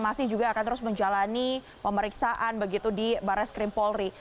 masih juga akan terus menjalani pemeriksaan begitu di barres krim polri